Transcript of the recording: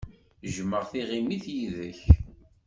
Jjmeɣ tiɣimit yid-k.